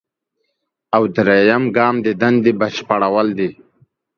او دریم ګام د دندې بشپړول دي.